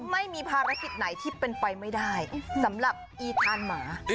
ไม่มีภารกิจไหนที่เป็นไปไม่ได้สำหรับอีทานหมา